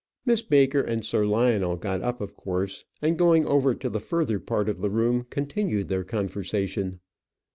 Miss Baker and Sir Lionel got up, of course, and going over to the further part of the room continued their conversation.